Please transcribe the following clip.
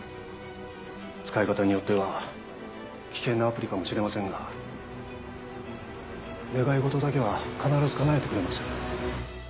使い方によっては危険なアプリかもしれませんが願い事だけは必ず叶えてくれます。